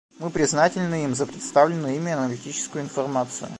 Мы признательны им за представленную ими аналитическую информацию.